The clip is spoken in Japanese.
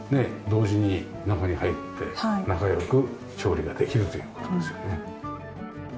同時に中に入って仲良く調理ができるという事ですよね。